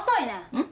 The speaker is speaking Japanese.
うん？